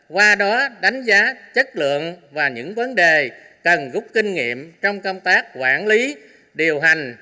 qua đó đánh giá chất lượng và những vấn đề cần gúc kinh nghiệm trong công tác quản lý điều hành